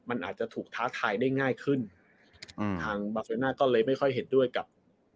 มันอาจจะถูกท้าทายได้ง่ายขึ้นอืมทางบาเซน่าก็เลยไม่ค่อยเห็นด้วยกับ